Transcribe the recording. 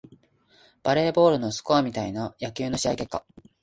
バレーボールのスコアみたいな野球の試合結果